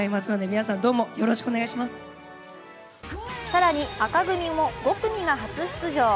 更に、紅組も５組が初出場。